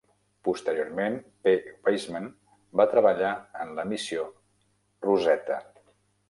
Posteriorment, P. Weissman va treballar en la missió Rosetta.